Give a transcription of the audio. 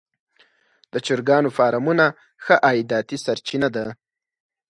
د چرګانو فارمونه ښه عایداتي سرچینه ده.